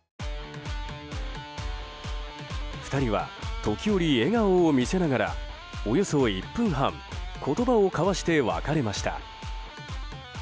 ２人は時折、笑顔を見せながらおよそ１分半言葉を交わして別れました。